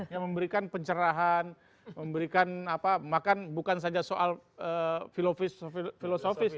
yang memberikan pencerahan memberikan apa maka bukan saja soal filofis soal kodifikasi